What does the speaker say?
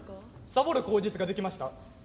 サボる口実ができました。